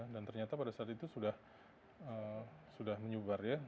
dan ternyata pada saat itu sudah menyebar ya